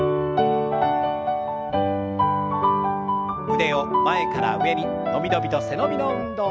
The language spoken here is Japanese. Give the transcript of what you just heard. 腕を前から上に伸び伸びと背伸びの運動。